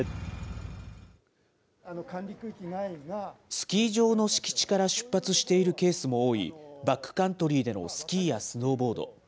スキー場の敷地から出発しているケースも多い、バックカントリーでのスキーやスノーボード。